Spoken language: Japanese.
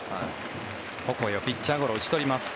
オコエピッチャーゴロ打ち取ります。